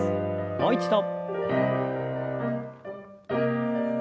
もう一度。